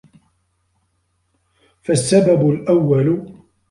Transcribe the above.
فَالسَّبَبُ الْأَوَّلُ